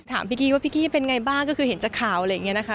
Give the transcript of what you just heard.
ถามพี่กี้ว่าพี่กี้เป็นไงบ้างก็คือเห็นจากข่าวอะไรอย่างนี้นะคะ